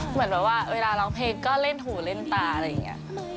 เหมือนแบบว่าเวลาร้องเพลงก็เล่นหูเล่นตาอะไรอย่างนี้